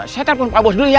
saya telepon pak bos dulu ya